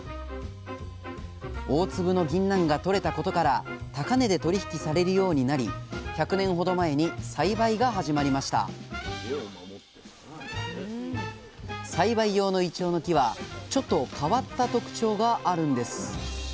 大粒のぎんなんがとれたことから高値で取り引きされるようになり１００年ほど前に栽培が始まりました栽培用のイチョウの木はちょっと変わった特徴があるんです。